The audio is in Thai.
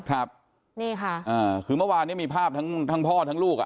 ครับนี่ค่ะอ่าคือเมื่อวานเนี้ยมีภาพทั้งทั้งพ่อทั้งลูกอ่ะ